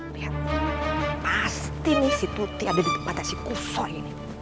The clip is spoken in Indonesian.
lihat pasti nih si tuti ada di tempatnya si kusoi